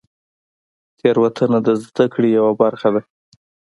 تېروتنه د زدهکړې یوه برخه ده.